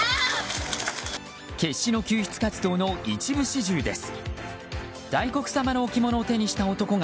決死の救出活動の一部始終です。